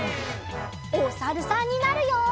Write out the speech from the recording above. おさるさんになるよ！